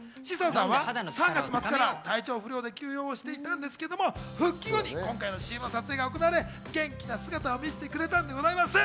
３月末から体調不良で休養していたんですけれど、復帰後に今回のＣＭの撮影が行われ、元気な姿を見せてくれたんです。